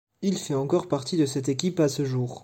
Il fait encore partie de cette équipe à ce jour.